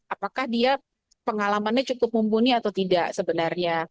apakah dia pengalamannya cukup mumpuni atau tidak sebenarnya